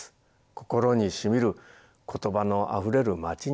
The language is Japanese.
心にしみる言葉のあふれる街にする。